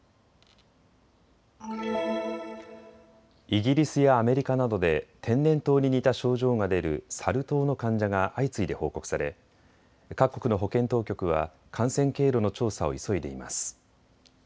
イギリスやアメリカなどで天然痘に似た症状が出るサル痘の患者が相次いで報告され各国の保健当局は感染経路の調査を急いでいます。